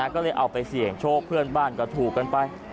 ก็เลยเอาไปเสี่ยงโชคเพื่อนบ้านก็ถูกกันไป